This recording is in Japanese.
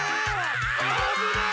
あぶない！